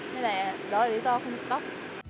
nên là đó là lý do không nhuộm tóc